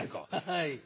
はい。